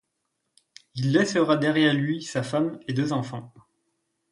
Il laissera derrière lui sa femme et deux enfants.